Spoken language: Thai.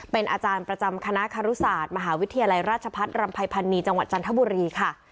เป็นอาจารย์ประจำคณะคารุศาสตร์มหาวิทยาลัยราชพัฒน์รำภัยพันนีจังหวัดจันทบุรีค่ะ